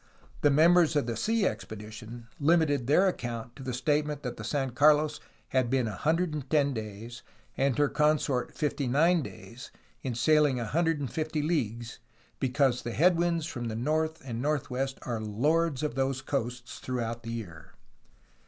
The members of the sea expedition limited their account to the statement that the San Carlos had been 110 days and her consort 59 days, in sail ing 150 leagues, because the headwinds from the north and north west are lords of those coasts throughout the year.